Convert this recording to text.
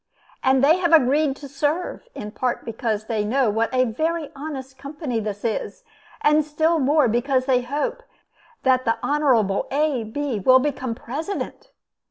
And they have agreed to serve, in part because they know what a very honest company this is, and still more because they hope that the Honorable A. Bee will become President.